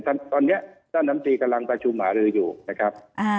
ตอนนี้ท่านน้ำตีกำลังประชุมหารืออยู่นะครับ